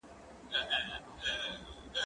زه اجازه لرم چي کتاب واخلم؟!